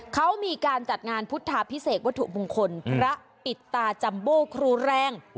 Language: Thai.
เขามีการจัดงานพุทธาพิเศษวัตถุมงคลพระปิดตาจัมโบครูแรง